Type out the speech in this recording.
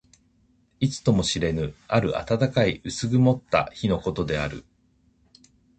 いつとも知れぬ、ある暖かい薄曇った日のことである。